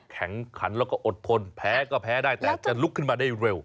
แข็งขันแล้วก็อดทนแพ้ก็แพ้ได้แต่จะลุกขึ้นมาได้เร็ว